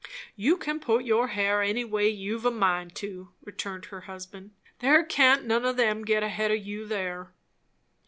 "You can put your hair any way you've a mind to," returned her husband. "There can't none of 'em get ahead o' you there."